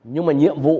nhưng mà nhiệm vụ